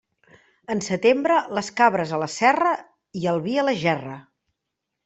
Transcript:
En setembre, les cabres a la serra i el vi a la gerra.